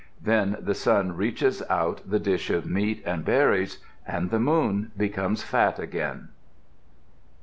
Then the sun reaches out the dish of meat and berries and the moon becomes fat again.